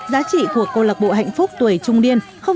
giá trị của câu lạc bộ hạnh phúc tuổi trung niên